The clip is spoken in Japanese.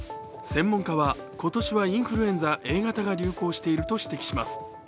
専門家は今年はインフルエンザＡ型が流行していると指摘します。